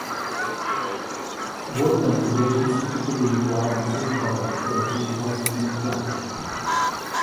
Both configurations typically require the same power to achieve high speed flight.